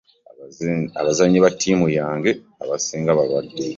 Abazanyi ba tiimu yange abasing balwadde.